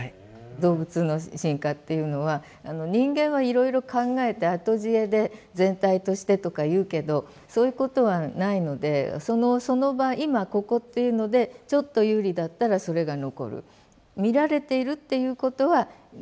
動物の進化っていうのは人間はいろいろ考えて後知恵で全体としてとか言うけどそういうことはないのでそのその場今ここっていうのでちょっと有利だったらそれが残る。